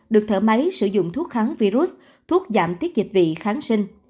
được thở máy sử dụng thuốc kháng virus thuốc giảm tiết dịch vị kháng sinh